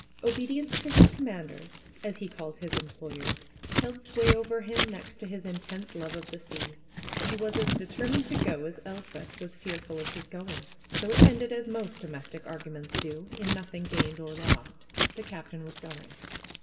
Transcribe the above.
Obedience to his commanders, as he called his employers, held sway over him next to his intense love of the sea. He was as determined to go as Elspeth was fearful of his going. So it ended as most domestic arguments do ; in nothing gained or lost. The Captain was going.